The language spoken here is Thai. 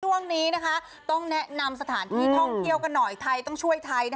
ช่วงนี้ต้องแนะนำสถานที่ท่องเที่ยวกันหน่อยไทยต้องช่วยไทย